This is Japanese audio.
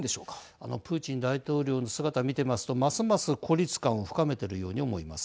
あのプーチン大統領の姿見ていますとますます孤立感を深めているように思います。